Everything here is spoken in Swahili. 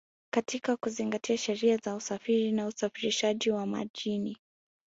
katika kuzingatia sheria za usafiri na usafirishaji wa majini